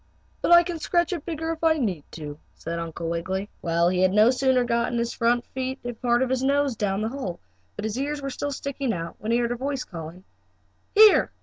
"But I can scratch it bigger if I need to," said Uncle Wiggily. Well, he had no sooner gotten his front feet and part of his nose down the hole, but his ears were still sticking out, when he heard a voice calling: "Here!